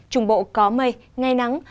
trung bộ có mây ngày nắng